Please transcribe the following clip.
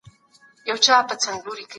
د څېړنې ډول څنګه معلوميږي؟